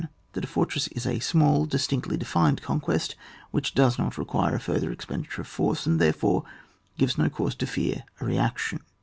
That a fortress is a small, distinctly defined conquest, which does not require a further expenditure of force, and there fore gives no cause to fear a reaction.